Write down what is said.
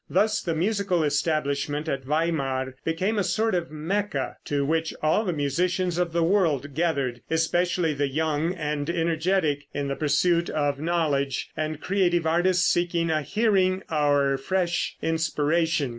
Thus the musical establishment at Weimar became a sort of Mecca, to which all the musicians of the world gathered, especially the young and energetic in the pursuit of knowledge, and creative artists seeking a hearing or fresh inspiration.